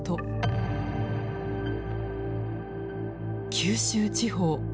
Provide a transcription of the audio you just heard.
九州地方。